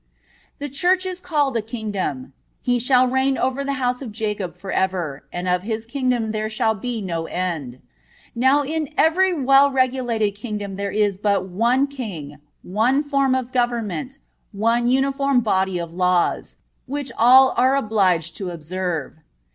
The Church is called a kingdom: "He shall reign over the house of Jacob forever, and of His kingdom there shall be no end."(20) Now in every well regulated kingdom there is but one king, one form of government, one uniform body of laws, which all are obliged to observe.